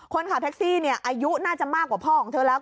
คนขับแท็กซี่อายุน่าจะมากกว่าพ่อของเธอแล้ว